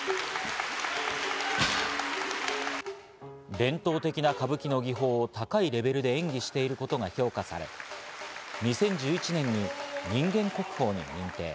伝統的な歌舞伎の技法を高いレベルで演技していることが評価され、２０１１年に人間国宝に認定。